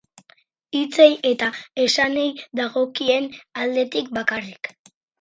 Hitzei eta esanei dagokien aldetik bakarrik.